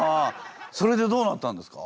それでどうなったんですか？